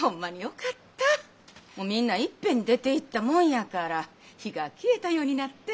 もうみんないっぺんに出ていったもんやから灯が消えたようになって。